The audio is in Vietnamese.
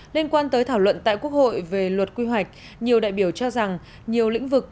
liên quan tới thảo luận tại quốc hội về luật quy hoạch nhiều đại biểu cho rằng nhiều lĩnh vực